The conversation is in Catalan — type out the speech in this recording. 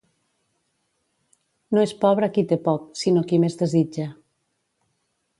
No és pobre qui té poc, sinó qui més desitja.